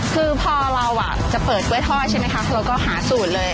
คือพอเราจะเปิดกล้วยทอดใช่ไหมคะเราก็หาสูตรเลย